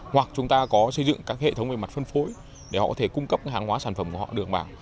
hoặc chúng ta có xây dựng các hệ thống về mặt phân phối để họ có thể cung cấp hàng hóa sản phẩm của họ được vào